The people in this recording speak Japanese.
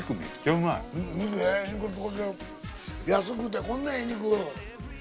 安くてこんなええ肉。